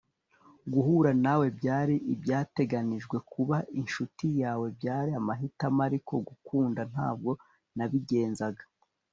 guhura nawe byari ibyateganijwe, kuba inshuti yawe byari amahitamo, ariko kugukunda ntabwo nabigenzaga